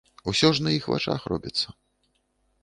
Усё ж на іх вачах робіцца.